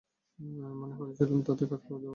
মনে করেছিলুম তাতে কাজ পাওয়া যাবে, আর কোনো কারণ নেই।